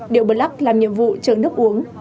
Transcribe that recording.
điệu bờ lắc làm nhiệm vụ trưởng nước uống